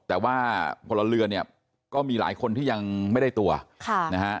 แต่ว่าพลเรือนเนี่ยก็มีหลายคนที่ยังไม่ได้ตัวค่ะนะฮะ